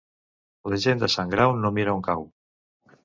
La gent de Sant Grau no mira on cau.